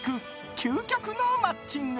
究極のマッチング！